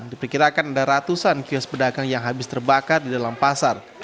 diperkirakan ada ratusan kios pedagang yang habis terbakar di dalam pasar